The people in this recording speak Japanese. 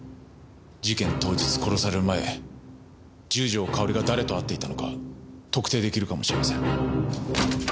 事件当日殺される前十条かおりが誰と会っていたのか特定出来るかもしれません。